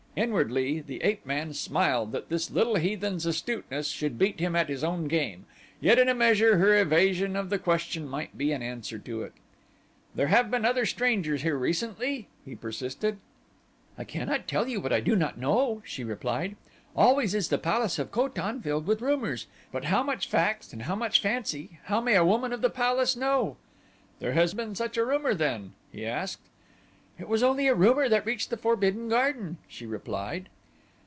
Inwardly the ape man smiled that this little heathen's astuteness should beat him at his own game, yet in a measure her evasion of the question might be an answer to it. "There have been other strangers here then recently?" he persisted. "I cannot tell you what I do not know," she replied. "Always is the palace of Ko tan filled with rumors, but how much fact and how much fancy how may a woman of the palace know?" "There has been such a rumor then?" he asked. "It was only rumor that reached the Forbidden Garden," she replied.